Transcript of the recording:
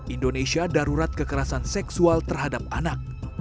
indonesia darurat kekerasan seksual terhadap anak